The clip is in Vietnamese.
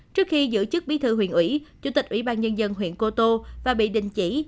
trước khi giữ chức bí thư huyện ủy chủ tịch ủy ban nhân dân huyện cô tô và bị đình chỉ